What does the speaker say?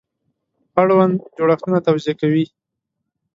اړوند جوړښتونه توضیح کوي.